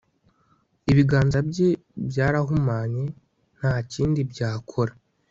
ibiganza bye byarahumanye nta kindi byakora